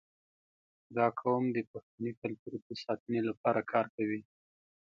• دا قوم د پښتني کلتور د ساتنې لپاره کار کوي.